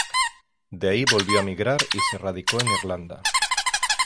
De ahí volvió a migrar y se radicó en Irlanda.